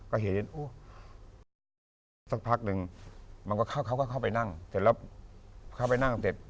ก็เห็นสักพักหนึ่งมันก็เขาก็เข้าไปนั่งเสร็จแล้วเข้าไปนั่งเสร็จ